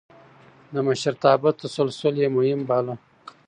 د مشرتابه تسلسل يې مهم باله.